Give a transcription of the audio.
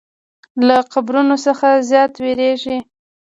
له قبرونو څخه زیات ویریږي.